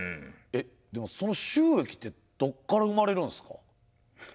でもその収益ってどこから生まれるんすか。